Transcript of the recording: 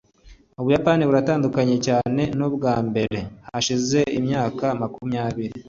ubuyapani buratandukanye cyane nubwa mbere hashize imyaka makumyabiri